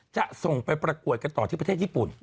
จะส่งไปประกวดกันต่อที่ประเทศญี่ปุ่น